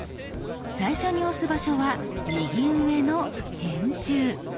最初に押す場所は右上の「編集」。